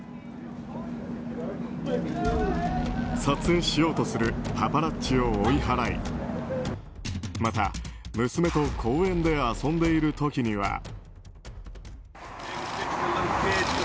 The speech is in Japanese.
撮影しようとするパパラッチを追い払いまた、娘と公園で遊んでいる時には。